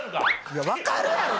いやわかるやろ！